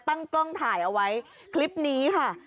ตั้งกล้องถ่ายเอาไว้คลิปนี้ค่ะ